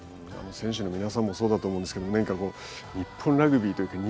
選手の皆さんもそうだと思うんですけど何かこう日本ラグビーというか日本にとってですね